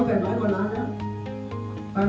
บรรจาบริจารณ์